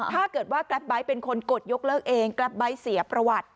ถ้าเกิดว่าแกรปไบท์เป็นคนกดยกเลิกเองแกรปไบท์เสียประวัติ